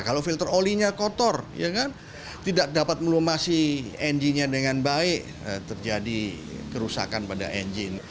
kalau filter olinya kotor tidak dapat melumasi engine nya dengan baik terjadi kerusakan pada engine